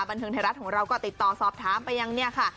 บันทึงไทยรัฐของเราก็ติดต่อซอฟต์ถามไปอย่างนี้ค่ะ